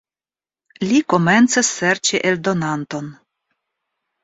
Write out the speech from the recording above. Li komencis serĉi eldonanton.